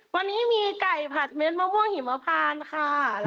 วันนี้มีไก่ผัดเม็ดมะม่วงหิมพานค่ะ